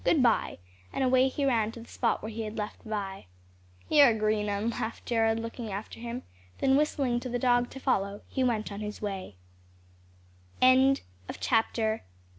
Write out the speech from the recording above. Good bye," and away he ran back to the spot where he had left Vi. "You're a green 'un!" laughed Jared, looking after him; then whistling to the dog to follow, he went on his way. CHAPTER SEVENTH.